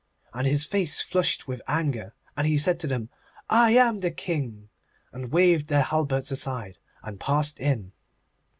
And his face flushed with anger, and he said to them, 'I am the King,' and waved their halberts aside and passed in.